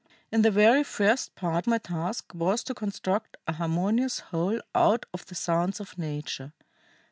In the very first part my task was to construct a harmonious whole out of the sounds of nature.